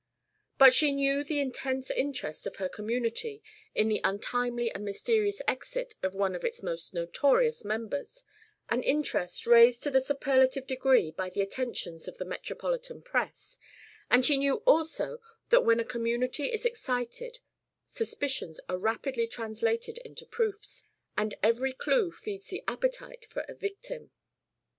But she knew the intense interest of her community in the untimely and mysterious exit of one of its most notorious members, an interest raised to the superlative degree by the attentions of the metropolitan press; and she knew also that when a community is excited suspicions are rapidly translated into proofs, and every clue feeds the appetite for a victim.